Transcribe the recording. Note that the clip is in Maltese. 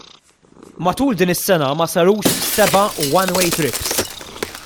Matul din is-sena ma sarux seba' ' one way trips '.